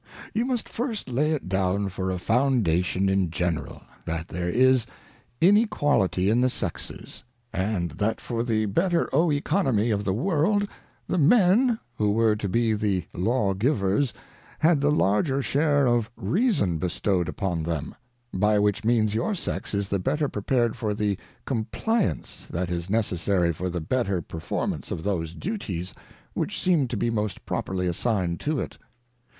You must first lay it down for a Foundation in general, That there is Inequality in the Sexes, and that for the better Oeconomy of the World, the Men, who were to be the Law givers, had the larger share of Reason bestow'd upon them ; by which means your Sex is the better prepar'd for the Com pliance that is necessary for the better performance of those Duties which seem to be most properly assigned to it.